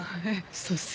そうっす。